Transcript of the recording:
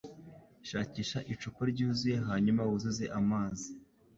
Shakisha icupa ryuzuye hanyuma wuzuze amazi.